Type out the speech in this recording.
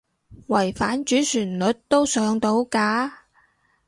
違反主旋律都上到架？